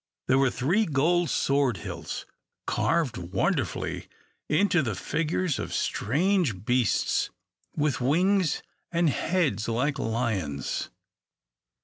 There were three gold sword hilts, carved wonderfully into the figures of strange beasts with wings, and heads like lions.